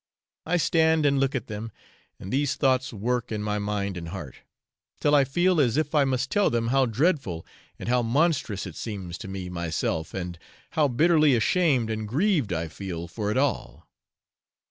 I stand and look at them, and these thoughts work in my mind and heart, till I feel as if I must tell them how dreadful and how monstrous it seems to me myself, and how bitterly ashamed and grieved I feel for it all.